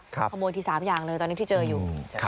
ขโมยที๓อย่างเลยตอนนี้ที่เจออยู่